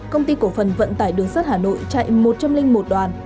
công ty cổ phần vận tải đường sắt hà nội chạy một trăm linh một đoàn